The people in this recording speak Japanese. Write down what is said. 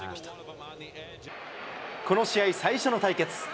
この試合、最初の対決。